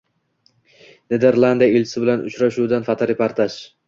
Niderlandiya elchisi bilan uchrashuvdan fotoreportaj